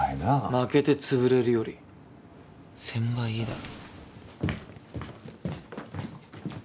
負けて潰れるより１，０００倍いいだろ。